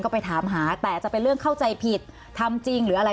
ก็ไปถามหาแต่จะเป็นเรื่องเข้าใจผิดทำจริงหรืออะไร